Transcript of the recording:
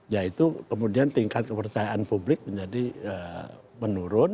yaitu kemudian tingkat kepercayaan publik menjadi menurun